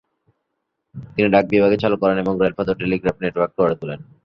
তিনি ডাক বিভাগ চালু করেন এবং রেলপথ ও টেলিগ্রাফ নেটওয়ার্ক গড়ে তোলেন।